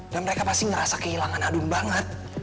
dan mereka pasti ngerasa kehilangan adun banget